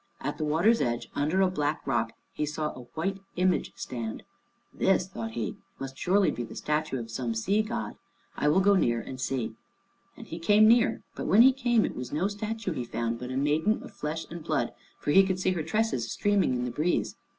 At the water's edge, under a black rock, he saw a white image stand. "This," thought he, "must surely be the statue of some sea god. I will go near and see." And he came near, but when he came it was no statue he found, but a maiden of flesh and blood, for he could see her tresses streaming in the breeze.